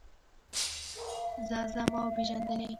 ځه ځه ما وپېژندلې.